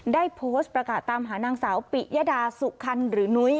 ได้โพสต์ประกาศตามหานางสาวปิยดาสุคันหรือนุ้ย